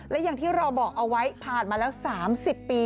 และอย่างที่เราบอกเอาไว้ผ่านมาแล้ว๓๐ปี